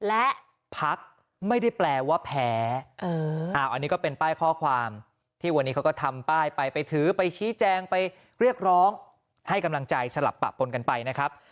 อันนี้ก็เป็นป้ายข้อความที่วันนี้เขาก็ทำป้ายไปถือไปชี้แจงไปเรียกร้องให้กำลังใจสลับปรับบนกันไปนะครับ